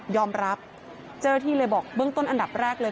รับเจ้าหน้าที่เลยบอกเบื้องต้นอันดับแรกเลย